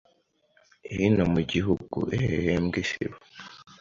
hino mu gihugu ehehembwe Isibo